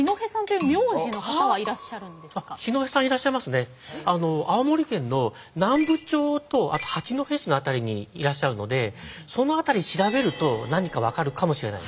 でもあの青森県の南部町とあと八戸市の辺りにいらっしゃるのでその辺り調べると何か分かるかもしれないですね。